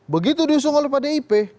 begitu diusung oleh pak dip